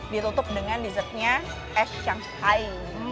ditutup dengan dessertnya es shanghai